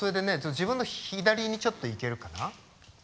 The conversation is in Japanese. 自分の左にちょっといけるかな？